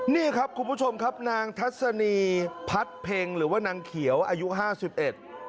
นี่ครับคุณผู้ชมครับนางทัศนีพัดเพ็งหรือว่านางเขียวอายุห้าสิบเอ็ด